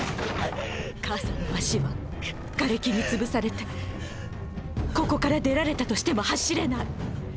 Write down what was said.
母さんの足は瓦礫に潰されてここから出られたとしても走れない。